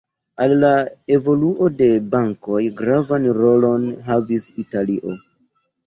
Al la evoluo de bankoj gravan rolon havis Italio.